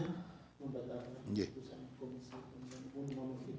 membatalkan keputusan komisi penyelenggaraan umum